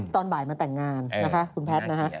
ตอนบ่ายมาแต่งงานนะคะคุณแพทย์นะคะ